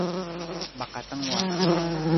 Ma katang wa.